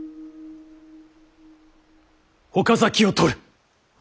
岡崎を取る。